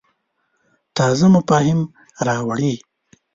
تازه مفاهیم راوړې.